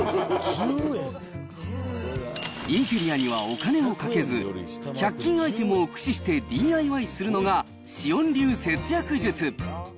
インテリアにはお金をかけず、１００均アイテムを駆使してＤＩＹするのが、紫苑流節約術。